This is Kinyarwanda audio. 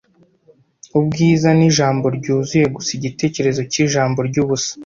ubwiza nijambo ryuzuye gusa igitekerezo cyijambo ryubusa